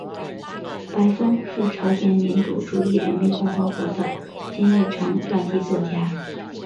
白峰是朝鲜民主主义人民共和国的金日成传记作家。